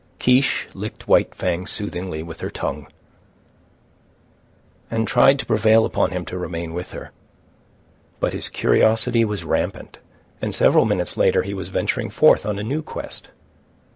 Kiche licked White Fang soothingly with her tongue, and tried to prevail upon him to remain with her. But his curiosity was rampant, and several minutes later he was venturing forth on a new quest.